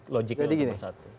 logiknya jadi gini